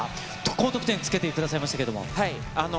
高得点、つけていただきましたけど。